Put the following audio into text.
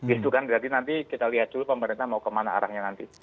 itu kan berarti nanti kita lihat dulu pemerintah mau kemana arahnya nanti